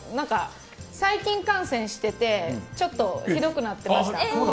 細菌感染しててちょっとひどくなってました。